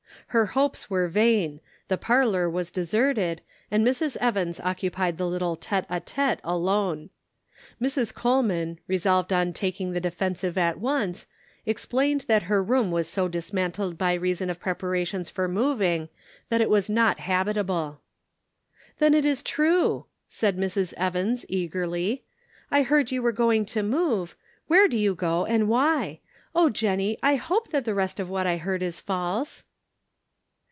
Her hopes were vain, the parlor was deserted, and Mrs. Evans occupied the little tete a tete alone. Mrs. Coleman, resolved on taking the defensive at once, ex plained that her room was so dismantled by reason of preparations for moving that it was not habitable. "" Then it is true," said Mrs. Evans, eagerly ;" I heard that you were going to move ; where do you go, and why ? Oh, Jennie, I hope that the rest of what I heard is false."